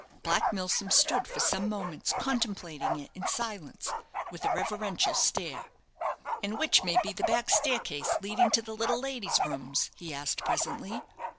Black Milsom stood for some moments contemplating it in silence, with a reverential stare. "And which may be the back staircase, leading to the little lady's rooms?" he asked, presently.